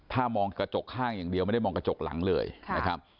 ถ้ามองกระจกข้างอย่างเดียวไม่ได้มองกระจกหลังเลยนะครับ